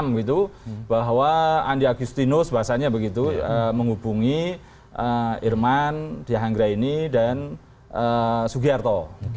jadi dakwaan itu di mana dianggap itu bahwa andi agustinus bahasanya begitu menghubungi irman diyahanggra ini dan sugiyarto